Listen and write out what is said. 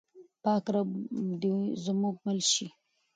پاک رب دې زموږ مل شي.